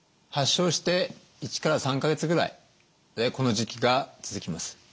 発症して１から３か月ぐらいこの時期が続きます。